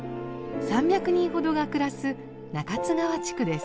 ３００人ほどが暮らす中津川地区です。